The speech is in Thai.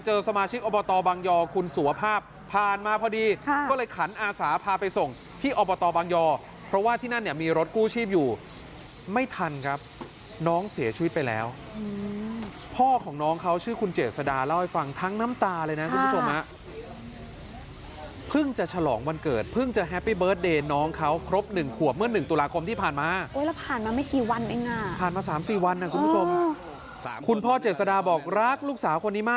คุณสมาชิกอบตบังยคุณสุวภาพผ่านมาพอดีก็เลยขันอาศาพาไปส่งที่อบตบังยเพราะว่าที่นั่นมีรถกู้ชีพอยู่ไม่ทันครับน้องเสียชีวิตไปแล้วพ่อของน้องเขาคุณเจสดาเล่าให้ฟังทั้งน้ำตาเลยนะคุณผู้ชมเพิ่งจะฉลองวันเกิดเพิ่งจะแฮปปี้เบิร์ตเดย์น้องเขาครบ๑ขวบเมื่อ๑ตุลาคมที่ผ่าน